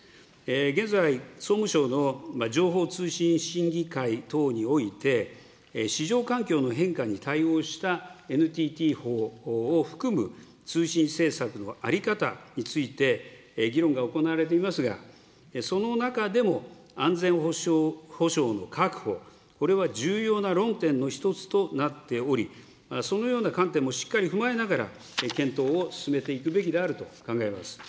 現在、総務省の情報通信審議会等において、市場環境の変化に対応したＮＴＴ法を含む通信政策の在り方について、議論が行われていますが、その中でも、安全保障の確保、これは重要な論点の一つとなっており、そのような観点もしっかり踏まえながら、検討を進めていくべきであると考えます。